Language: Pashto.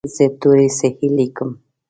زه توري صحیح لیکم.